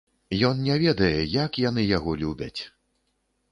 Ён не ведае, як яны яго любяць!